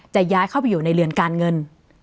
จะย้ายเข้าไปอยู่ในเรือนการเงิน